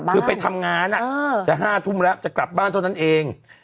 คือไปทำงานจะ๕ทุ่มแล้วจะกลับบ้านเท่านั้นเอง